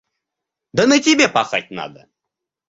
Да на тебе пахать надо!